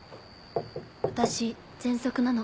私ぜんそくなの。